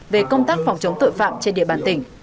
về công tác phòng chống tội phạm trên địa bàn tỉnh